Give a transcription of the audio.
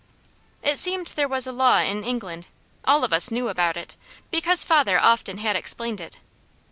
It seemed there was a law in England, all of us knew about it, because father often had explained it.